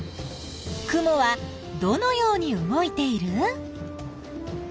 雲はどのように動いている？